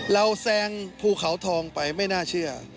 แซงภูเขาทองไปไม่น่าเชื่อ